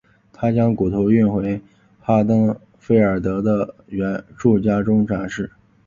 他将骨头运回哈登菲尔德的住家中展示。